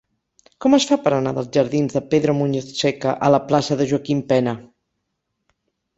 Com es fa per anar dels jardins de Pedro Muñoz Seca a la plaça de Joaquim Pena?